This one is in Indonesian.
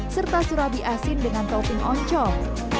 serta surabi asin dengan topping oncol